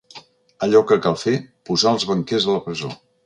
Allò que cal fer, posar els banquers a la presó.